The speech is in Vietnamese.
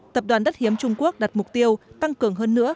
tập đoàn đất hiếm trung quốc đặt mục tiêu tăng cường hơn nữa